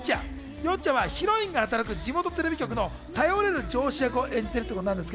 よっちゃんはヒロインが働く地元テレビ局の頼れる上司役を演じているということです。